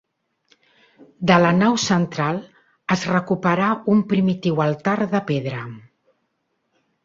De la nau central es recuperà un primitiu altar de pedra.